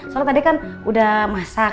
soalnya tadi kan udah masak